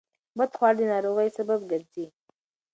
بدخواړه د ناروغیو سبب ګرځي.